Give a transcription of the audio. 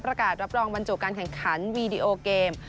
รับรองบรรจุการแข่งขันวีดีโอเกม